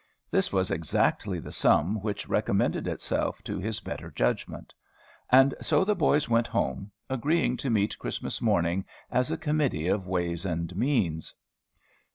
This was exactly the sum which recommended itself to his better judgment. And so the boys went home, agreeing to meet Christmas morning as a Committee of Ways and Means.